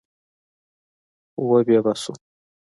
وبې يې باسو.